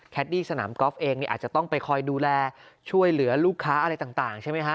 ดี้สนามกอล์ฟเองอาจจะต้องไปคอยดูแลช่วยเหลือลูกค้าอะไรต่างใช่ไหมฮะ